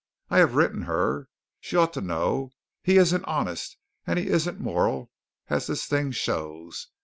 I have written her. She ought to know. He isn't honest and he isn't moral as this thing shows.